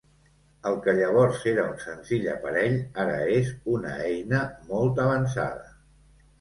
El que llavors era un senzill aparell ara és una eina molt avançada.